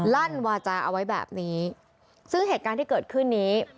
ลั่นวาจาเอาไว้แบบนี้ซึ่งเหตุการณ์ที่เกิดขึ้นนี้